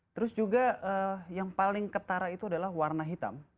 terus juga yang paling ketara itu adalah warna hitam